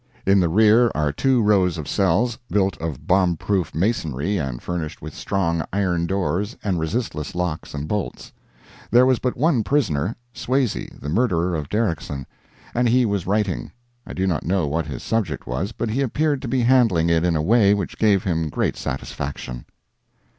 In the rear are two rows of cells, built of bomb proof masonry and furnished with strong iron doors and resistless locks and bolts. There was but one prisoner—Swayze, the murderer of Derickson—and he was writing; I do not know what his subject was, but he appeared to be handling it in a way which gave him great satisfaction...